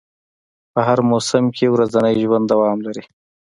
په هر موسم کې ورځنی ژوند دوام لري